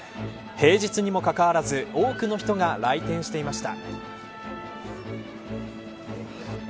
平日にもかかわらず多くの人が来店していました。